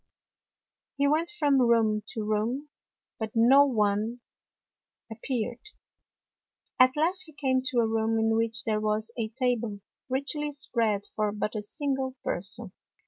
He went from room to room, but no one appeared. At last he came to a room in which there was a table richly spread for but a single person.